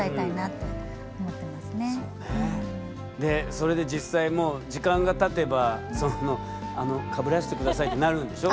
それで実際時間がたてばかぶらして下さいってなるんでしょ？